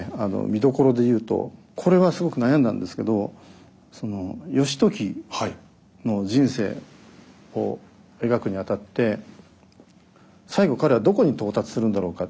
見どころで言うとこれはすごく悩んだんですけどその義時の人生を描くにあたって最期彼はどこに到達するんだろうか。